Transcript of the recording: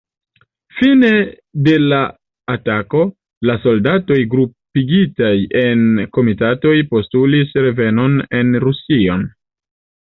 Fine de la atako, la soldatoj grupigitaj en komitatoj postulis revenon en Rusion.